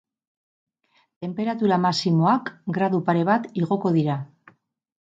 Tenperatura maximoak gradu pare bat igoko dira.